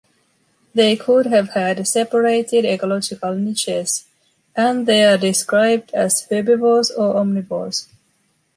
They could have had separated ecological niches, and they’re described as herbivores or omnivores.